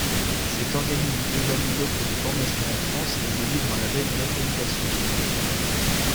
Cet organisme évalue l'offre de formation en France et délivre un label d'accréditation.